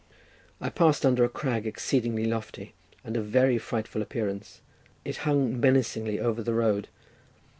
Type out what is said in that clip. I passed under a crag, exceedingly lofty, and of very frightful appearance. It hung menacingly over the road.